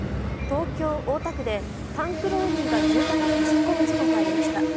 東京・大田区でタンクローリーが住宅に突っ込む事故がありました。